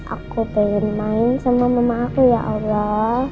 aku pengen main sama mama aku ya allah